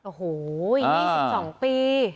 โอ้โหยังไม่สิบสองปี